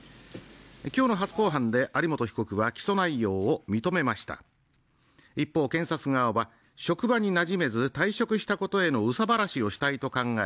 今日の初公判で有本被告は起訴内容を認めました一方、検察側は職場になじめず退職したことへの憂さ晴らしをしたいと考え